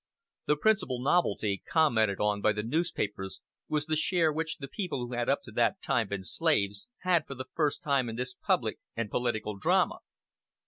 The principal novelty commented on by the newspapers was the share which the people who had up to that time been slaves, had for the first time in this public and political drama.